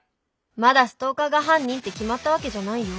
まだストーカーが犯人って決まったわけじゃないよ。